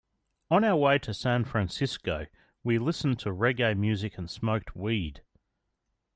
On our way to San Francisco, we were listening to reggae music and smoking weed.